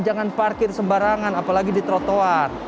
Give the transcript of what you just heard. jangan parkir sembarangan apalagi di trotoar